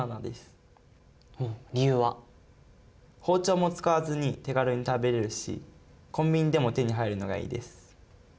包丁も使わずに手軽に食べれるしコンビニでも手に入るのがいいです。